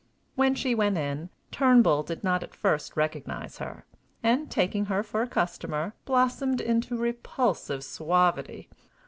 When she went in, Turnbull did not at first recognize her, and, taking her for a customer, blossomed into repulsive suavity.